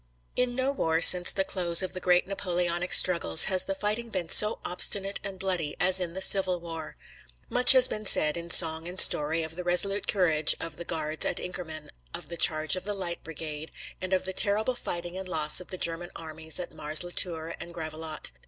In no war since the close of the great Napoleonic struggles has the fighting been so obstinate and bloody as in the Civil War. Much has been said in song and story of the resolute courage of the Guards at Inkerman, of the charge of the Light Brigade, and of the terrible fighting and loss of the German armies at Mars La Tour and Gravelotte.